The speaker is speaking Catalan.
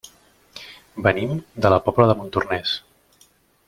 Venim de la Pobla de Montornès.